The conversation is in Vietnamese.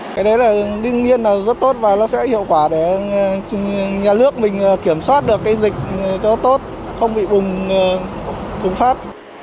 cái đấy là đương nhiên là rất tốt và nó sẽ hiệu quả để nhà nước mình kiểm soát được cái dịch cho nó tốt không bị bùng phát